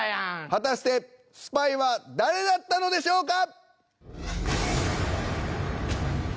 果たしてスパイは誰だったのでしょうか？